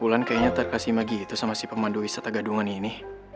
ulan kayaknya terkasih magi itu sama si pemandu wisata gadungan ini